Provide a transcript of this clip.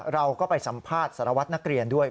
เราก็ไปสัมภาษณ์สารวัตรนักเรียนด้วย